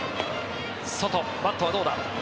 外、バットはどうだ？